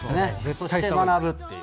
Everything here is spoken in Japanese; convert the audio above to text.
そして学っていう。